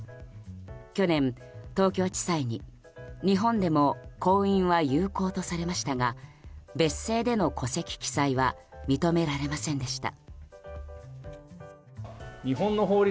去年、東京地裁に、日本でも婚姻は有効とされましたが別姓での戸籍記載は認められませんでした。